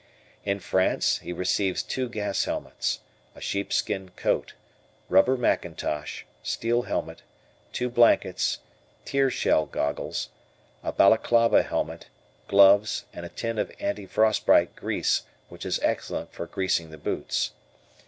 In France he receives two gas helmets, a sheep skin coat, rubber mackintosh, steel helmet, two blankets, tear shell goggles, a balaclava helmet, gloves, and a tin of anti frostbite grease which is excellent for greasing the boots.